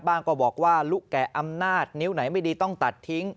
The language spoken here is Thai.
ก็บอกว่าลุแก่อำนาจนิ้วไหนไม่ดีต้องตัดทิ้ง